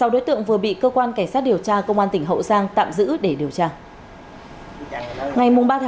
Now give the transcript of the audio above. sáu đối tượng vừa bị cơ quan cảnh sát điều tra công an tỉnh hậu giang tạm giữ để điều tra